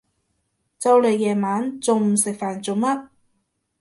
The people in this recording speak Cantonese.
就嚟夜晚，仲唔食飯做乜？